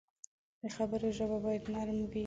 د خبرو ژبه باید نرم وي